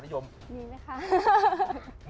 มีไหมค่ะ